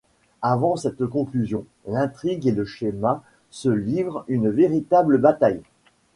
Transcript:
Avant cette conclusion, l'intrigue et le schéma se livrent une véritable bataille.